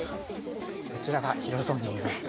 どちらが広そうに見えますか？